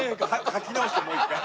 書き直してもう一回。